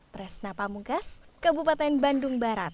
tresna pamungkas kabupaten bandung barat